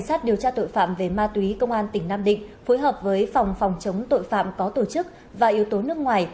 cảnh sát điều tra tội phạm về ma túy công an tỉnh nam định phối hợp với phòng phòng chống tội phạm có tổ chức và yếu tố nước ngoài